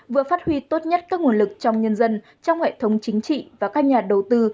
vừa phát huy tốt nhất các nguồn lực trong nhân dân trong hệ thống chính trị và các nhà đầu tư